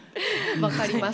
分かります。